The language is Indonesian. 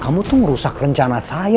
kamu tuh ngerusak rencana saya